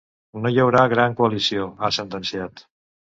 No hi haurà gran coalició, ha sentenciat.